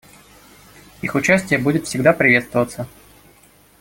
Их участие будет всегда приветствоваться.